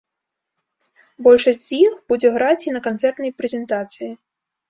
Большасць з іх будзе граць і на канцэртнай прэзентацыі.